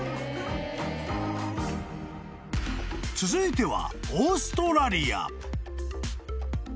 ［続いては］